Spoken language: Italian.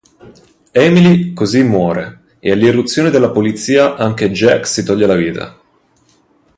Emily così muore e all'irruzione della polizia anche Jack si toglie la vita.